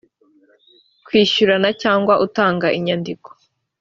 kwishyurana cyangwa utanga inyandiko